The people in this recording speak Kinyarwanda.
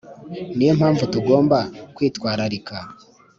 Niyo mpamvu tugomba kwitwararika